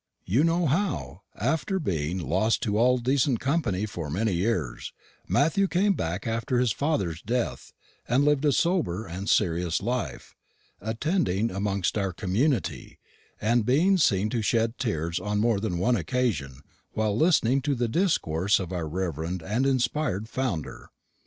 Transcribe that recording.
You know how, after being lost to all decent company for many years, Mathew came back after his father's death, and lived a sober and serious life, attending amongst our community, and being seen to shed tears on more than one occasion while listening to the discourse of our revered and inspired founder.